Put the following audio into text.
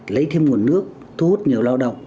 lấy thêm nguồn nước thu hút nhiều lao động